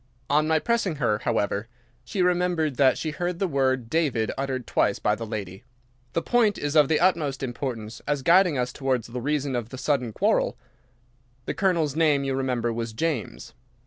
On my pressing her, however, she remembered that she heard the word 'David' uttered twice by the lady. The point is of the utmost importance as guiding us towards the reason of the sudden quarrel. The Colonel's name, you remember, was James.